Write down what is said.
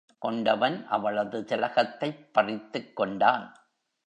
கொண்டவன் அவளது திலகத்தைப் பறித்துக்கொண்டான்.